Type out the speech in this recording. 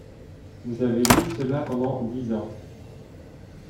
Vous avez dit cela pendant dix ans